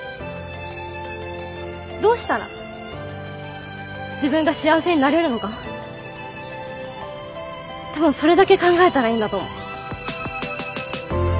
どうしたら自分が幸せになれるのか多分それだけ考えたらいいんだと思う。